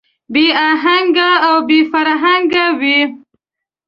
بې اهنګه او بې فرهنګه وي.